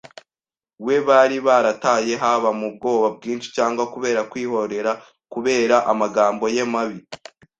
We bari barataye, haba mu bwoba bwinshi cyangwa kubera kwihorera kubera amagambo ye mabi